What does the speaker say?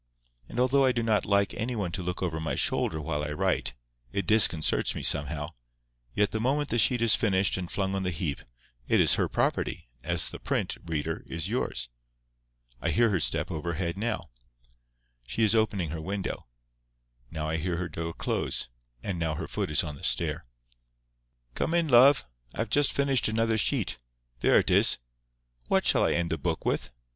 And although I do not like any one to look over my shoulder while I write—it disconcerts me somehow—yet the moment the sheet is finished and flung on the heap, it is her property, as the print, reader, is yours. I hear her step overhead now. She is opening her window. Now I hear her door close; and now her foot is on the stair. "Come in, love. I have just finished another sheet. There it is. What shall I end the book with?